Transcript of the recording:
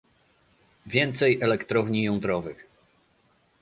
więcej elektrowni jądrowych